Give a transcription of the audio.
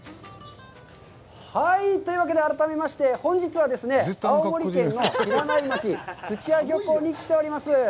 はい、というわけで改めまして、本日は、青森県の平内町、土屋漁港に来ております。